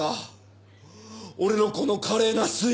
俺のこの華麗な推理。